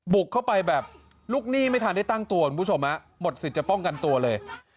บุกเข้าไปแบบลูกหนี้ไม่ทันได้ตั้งตัวคุณผู้ชมหมดสิทธิ์จะป้องกันตัวเลย